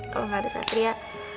kalau nggak ada satria